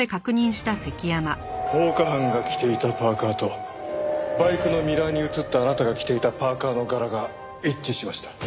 放火犯が着ていたパーカとバイクのミラーに映ったあなたが着ていたパーカの柄が一致しました。